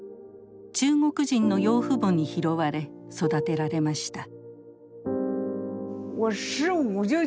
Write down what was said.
中国人の養父母に拾われ育てられました。